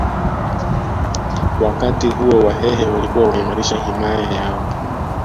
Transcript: Wakati huo Wahehe walikuwa wameimarisha himaya yao